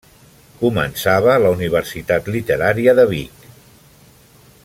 Començava la Universitat Literària de Vic.